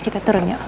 kita turun yuk